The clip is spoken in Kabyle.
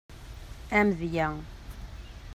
Amedya.